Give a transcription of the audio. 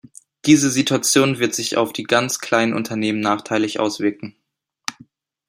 Diese Situation wird sich auf die ganz kleinen Unternehmen nachteilig auswirken.